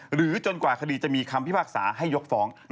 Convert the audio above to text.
หรือจนกว่าคดีมีจะมีคำพิภาคศาให้ยกฟ้อง